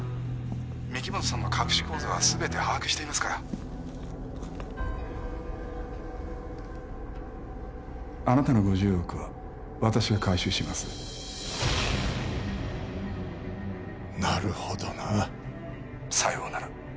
☎御木本さんの隠し口座はすべて把握していますからあなたの５０億は私が回収しますなるほどな☎さようなら